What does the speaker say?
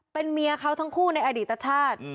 เป็นเมียเขาทั้งคู่ในอดีตชาติ